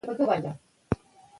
زه د خپلو ملګرو سره مرسته کوم.